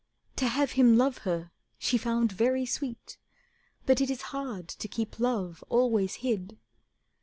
To have him love her she found very sweet, But it is hard to keep love always hid.